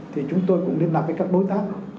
thì chúng tôi cũng liên lạc với các đối tác